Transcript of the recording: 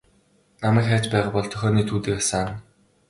Намайг хайж байгаа бол дохионы түүдэг асаана.